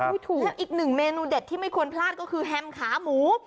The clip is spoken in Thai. แล้วอีกหนึ่งเมนูเด็ดที่ไม่ควรพลาดก็คือแฮมขาหมู